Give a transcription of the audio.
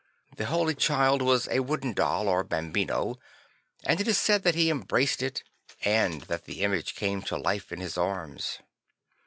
The Holy Child was a \vooden doll or bambino, and it was said that he embraced it and that the image came to life in his arms.